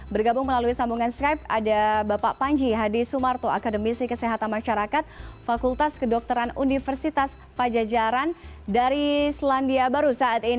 bergabung melalui sambungan skype ada bapak panji hadi sumarto akademisi kesehatan masyarakat fakultas kedokteran universitas pajajaran dari selandia baru saat ini